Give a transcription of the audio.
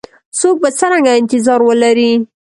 څوک به څرنګه انتظار ولري؟